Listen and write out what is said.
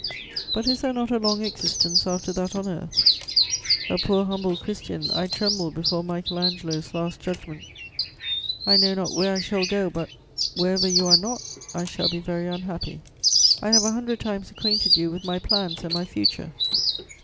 But is there not a long existence after that on earth? A poor, humble Christian, I tremble before Michael Angelo's Last Judgment; I know not where I shall go, but, wherever you are not, I shall be very unhappy. I have a hundred times acquainted you with my plans and my future.